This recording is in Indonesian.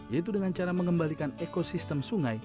yaitu dengan cara mengembalikan ekosistem sungai